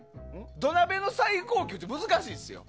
土鍋の最高級って難しいんですよ。